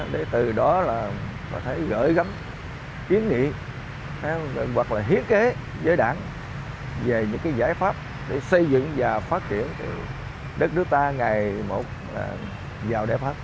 để từ đó là có thể gửi gắm kiến nghị hoặc là hiến kế với đảng về những cái giải pháp để xây dựng và phát triển đất nước ta ngày một vào đại pháp